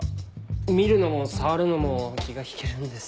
見るのも触るのも気が引けるんです。